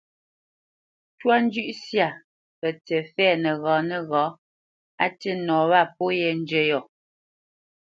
Ntwá njʉ́ʼ syâ pətsǐ fɛ̌ nəghǎ nəghǎ, á tî nɔ wâ pó yē njə́ yɔ̂,